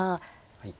はい。